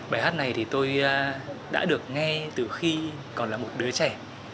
bài hát này thì tôi đã được nghe từ khi còn là một đứa trẻ